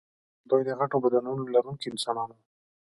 دوی د غټو بدنونو لرونکي انسانان وو.